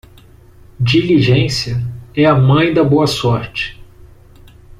Diligência é a mãe da boa sorte.